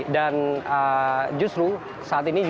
dan justru saat ini juga disipremu